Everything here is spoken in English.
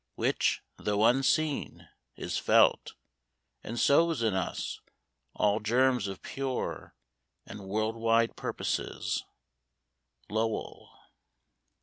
Which, though unseen, is felt, and sows in us All germs of pure and world wide purposes. Lowell.